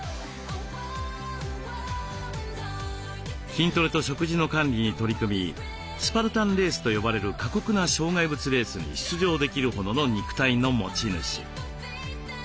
筋トレと食事の管理に取り組みスパルタンレースと呼ばれる過酷な障害物レースに出場できるほどの肉体の持ち主。